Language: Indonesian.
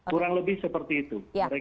kurang lebih seperti itu